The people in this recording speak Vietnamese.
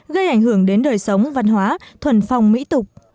gây ảnh hưởng đến đời sống văn hóa thuần phong mỹ tục